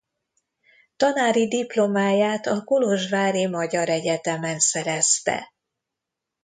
Tanári diplomáját a kolozsvári magyar egyetemen szerezte.